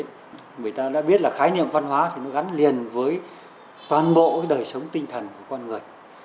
người ta đã biết là khái niệm văn hóa thì nó gắn liền với toàn bộ cái đời sống tinh thần của con người